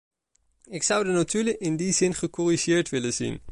Ik zou de notulen in die zin gecorrigeerd willen zien.